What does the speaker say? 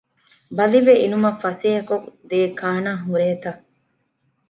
ބަލިވެއިނުމަށް ފަސޭހަކޮށްދޭ ކާނާ ހުރޭތަ؟